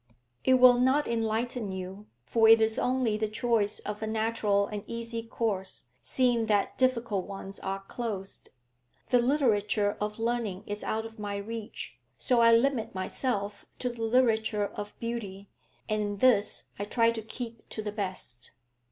'It will not enlighten you, for it is only the choice of a natural and easy course, seeing that difficult ones are closed. The literature of learning is out of my reach, so I limit myself to the literature of beauty, and in this I try to keep to the best.'